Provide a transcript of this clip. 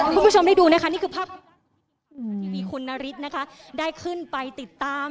พวกผู้ชมได้ดูนะคะนี่คือภาพคุณนาริสนะคะได้ขึ้นไปติดตาม